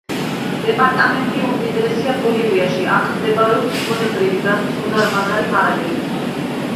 დეპარტამენტი უმდიდრესია ბოლივიაში, აქ მდებარეობს ბუნებრივი გაზის უზარმაზარი მარაგები.